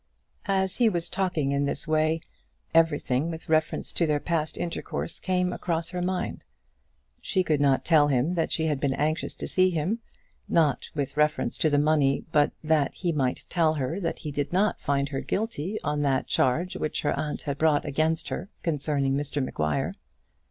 As he was talking in this way, everything with reference to their past intercourse came across her mind. She could not tell him that she had been anxious to see him, not with reference to the money, but that he might tell her that he did not find her guilty on that charge which her aunt had brought against her concerning Mr Maguire.